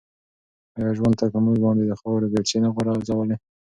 آیا ژوند تل په موږ باندې د خاورو بیلچې نه غورځوي؟